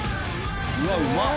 うわっうまっ！